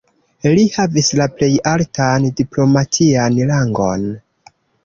Li havis la plej altan diplomatian rangon.